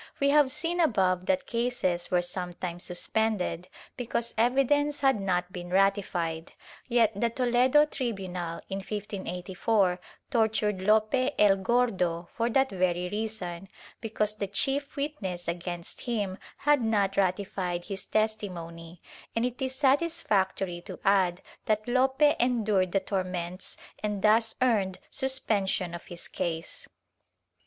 We have seen above that cases were sometimes suspended because evidence had not been ratified, yet the Toledo tribunal, in 1584, tortured Lope el Gordo for that very reason, because the chief witness against him had not ratified his testimony, and it is satisfactory to add that Lope endured the torments and thus earned suspension of his case.